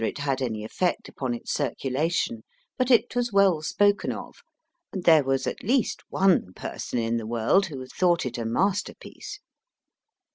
I do not had any effect upon its circu lation, but it was well spoken of, and there was at least one person in the world who thought it a masterpiece.